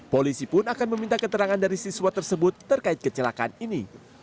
polisi pun akan meminta keterangan dari siswa tersebut terkait kecelakaan ini